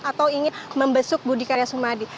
atau ingin membesuk budi karya sumadi